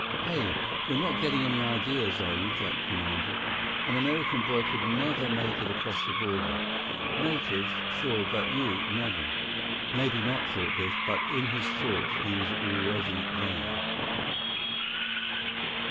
"Hey! You're not getting any ideas, are you?" Jack demanded. "An American boy could never make it across the border. Natives, sure—but you—never." Maybe not, thought Biff, but in his thoughts, he was already there.